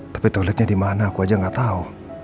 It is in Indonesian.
tapi toiletnya dimana aku aja gak tau